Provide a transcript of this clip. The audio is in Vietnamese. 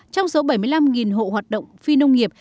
trong số bảy mươi năm hộ hoạt động phi nông nghiệp